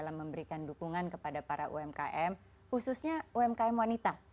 dalam memberikan dukungan kepada para umkm khususnya umkm wanita